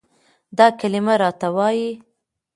دا کلمه راته وايي،